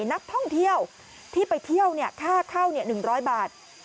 นักท่องเที่ยวที่ไปเที่ยวเนี่ยค่าเข้าเนี่ย๑๐๐บาท